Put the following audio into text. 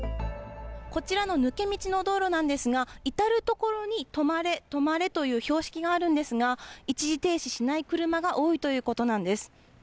こちらの抜け道の道路なんですが、至る所に止まれ、止まれという標識があるんですが、一時停止しない車が多いということなんです。